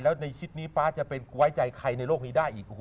แล้วในชิดนี้ป๊าจะเป็นไว้ใจใครในโลกนี้ได้อีก